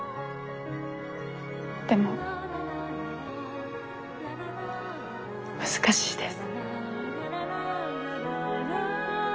でも難しいです。